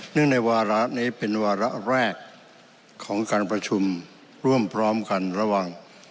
ในวาระนี้เป็นวาระแรกของการประชุมร่วมพร้อมกันระหว่าง